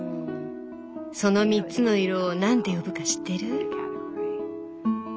その３つの色をなんて呼ぶか知ってる？